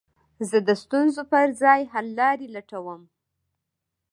زه د ستونزو پر ځای، حللاري لټوم.